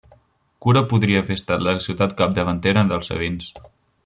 Cures podria haver estat la ciutat capdavantera dels sabins.